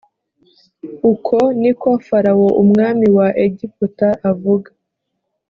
uko ni ko farawo umwami wa egiputa avuga.